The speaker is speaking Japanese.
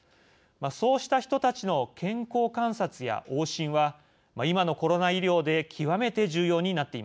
そうした人たちの健康観察や往診は今のコロナ医療で極めて重要になっています。